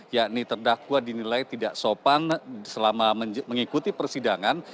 yakni terdakwa dinilai tidak sopan selama mengikuti persidangan